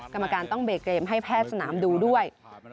กรรมการต้องเบรกเกมให้แพทย์สนามดูด้วย